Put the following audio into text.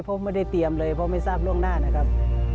เพราะไม่ได้เตรียมเลยเพราะไม่ทราบล่วงหน้านะครับ